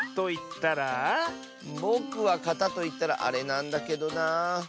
ぼくは「かた」といったらあれなんだけどなあ。